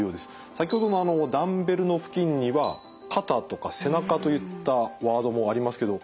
先ほどもダンベルの付近には「肩」とか「背中」といったワードもありますけど。